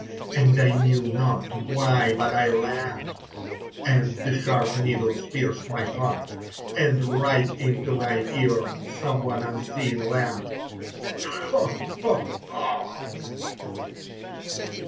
And I knew not why, but I laughed, and the sharp needles pierced my heart, and right into my ear some one unseen laughed: "Ho! ho!